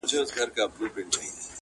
د کرونا له تودې تبي څخه سوړ سو-